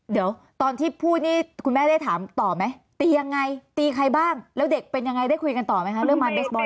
เดี๋ยวตอนที่พูดนี่คุณแม่ได้ถามต่อไหมตียังไงตีใครบ้างแล้วเด็กเป็นยังไงได้คุยกันต่อไหมคะเรื่องไม้เบสบอล